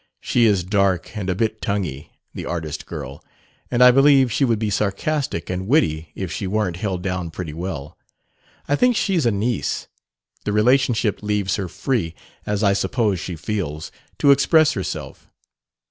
She is dark and a bit tonguey the artist girl; and I believe she would be sarcastic and witty if she weren't held down pretty well. I think she's a niece: the relationship leaves her free, as I suppose she feels, to express herself.